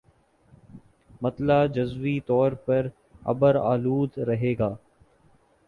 مطلع جزوی طور پر ابر آلود رہے گا